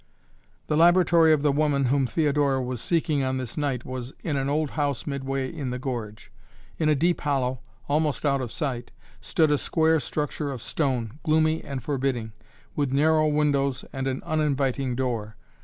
The laboratory of the woman whom Theodora was seeking on this night was in an old house midway in the gorge. In a deep hollow, almost out of sight, stood a square structure of stone, gloomy and forbidding, with narrow windows and an uninviting door.